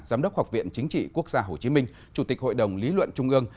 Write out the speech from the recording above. giám đốc học viện chính trị quốc gia hồ chí minh chủ tịch hội đồng lý luận trung ương